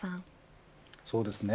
そうですね。